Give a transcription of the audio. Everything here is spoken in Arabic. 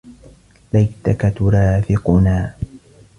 ليتكَ تُرافِقُنا.